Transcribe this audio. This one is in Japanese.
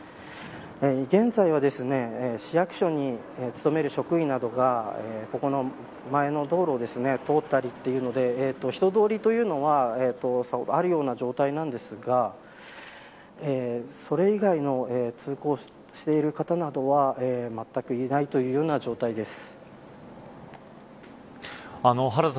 現在は市役所に勤める職員などがここの前の道路を通ったりというので人通りはあるような状態なんですがそれ以外の通行している方などはまったくいないというような状態です。